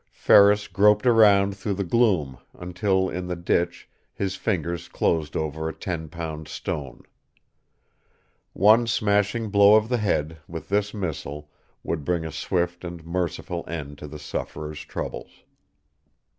Ferris groped around through the gloom until, in the ditch, his fingers closed over a ten pound stone. One smashing blow on the head, with this missile, would bring a swift and merciful end to the sufferer's troubles.